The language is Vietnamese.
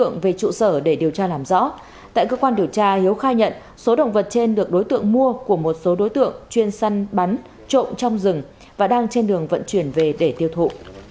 nếu khai nhận số động vật trên được đối tượng mua của một số đối tượng chuyên săn bắn trộm trong rừng và đang trên đường vận chuyển về để tiêu thụ